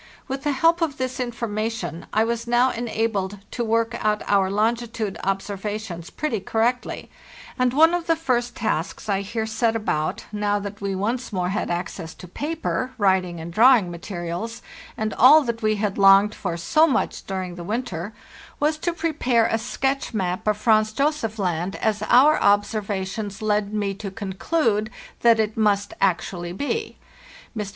With the help of this information I was now enabled to work out our longitude observations pretty correctly; and one of the first tasks I here set about, now that we once more had access to paper, writing and drawing materials, and all that we had longed for so much during the winter, was to prepare a FLORA n) EN AT CAPE S NAN Jackson) Mr Ay oy graph rom photo, (# THE JOURNEY SOUTHWARD 547 sketch map of Franz Josef Land, as our observations led me to conclude that it must actually be. Mr.